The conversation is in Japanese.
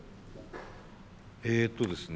えっとですね